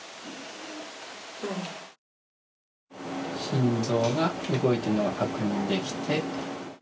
心臓が動いているのが確認できて。